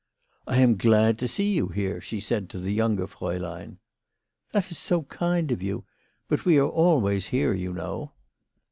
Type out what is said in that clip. I am so glad to see you here," she said to the younger fraulein. " That is so kind of you. But we always are here, you know."